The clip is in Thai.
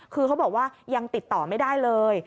คือเขาบอกว่ายังติดต่อไม่ได้เลย